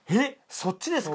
そっちですか？